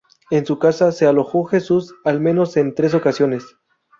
En su casa se alojó Jesús al menos en tres ocasiones.